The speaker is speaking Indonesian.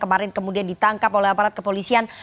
kemarin kemudian ditangkap oleh aparat kepolisian